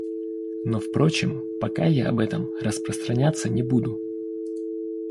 Но впрочем, пока я об этом распространяться не буду.